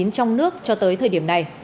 trong nước cho tới thời điểm này